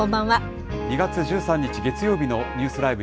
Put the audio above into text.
２月１３日月曜日のニュースＬＩＶＥ！